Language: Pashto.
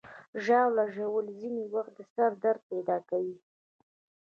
ژاوله ژوول ځینې وخت د سر درد پیدا کوي.